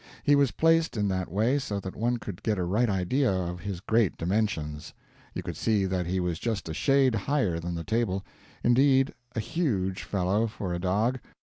He was placed in that way so that one could get a right idea of his great dimensions. You could see that he was just a shade higher than the table indeed, a huge fellow for a dog.